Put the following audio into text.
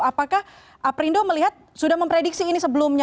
apakah perindo melihat sudah memprediksi ini sebelumnya